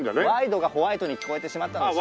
ワイドがホワイトに聞こえてしまった。